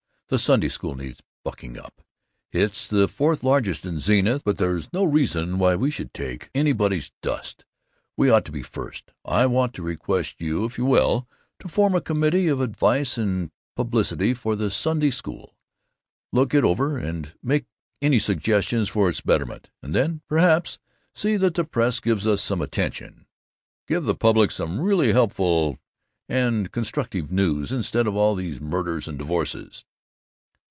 The Sunday School needs bucking up. It's the fourth largest in Zenith, but there's no reason why we should take anybody's dust. We ought to be first. I want to request you, if you will, to form a committee of advice and publicity for the Sunday School; look it over and make any suggestions for its betterment, and then, perhaps, see that the press gives us some attention give the public some really helpful and constructive news instead of all these murders and divorces."